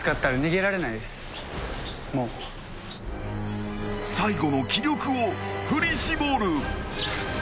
［最後の気力を振り絞る］